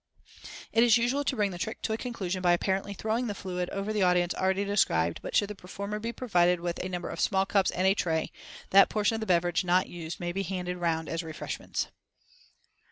It is usual to bring the trick to a conclusion by apparently throwing the fluid over the audience as already described, but should the performer be provided with a number of small cups and a tray, that portion of the beverage not used may be handed round as refreshments.